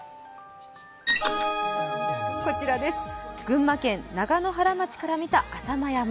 群馬県長野原町から見た浅間山。